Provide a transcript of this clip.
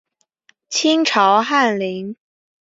清朝翰林。